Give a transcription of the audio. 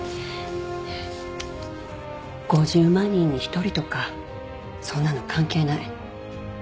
５０万人に１人とかそんなの関係ない。